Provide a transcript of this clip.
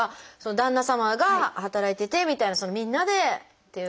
旦那様が働いててみたいなみんなでっていう。